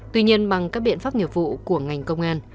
tuy nhiên bằng các biện pháp nghiệp vụ của ngành công an